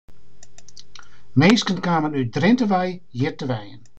Minsken kamen út Drinte wei hjir te wenjen.